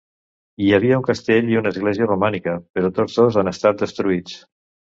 Hi havia un castell i una església romànica, però tots dos han estat destruïts.